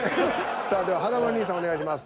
さあでは華丸兄さんお願いします。